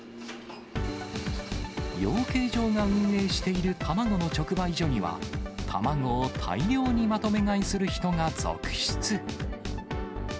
養鶏場が運営している卵の直売所には、卵を大量にまとめ買いする人が続出。